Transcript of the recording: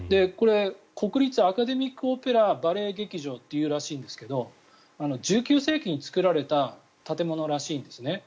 これ、国立アカデミックオペラバレエ劇場っていうらしいんですが１９世紀に造られた建物らしいんですね。